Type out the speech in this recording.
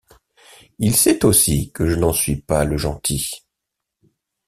Il sait aussi que je n’en suis pas le gentil.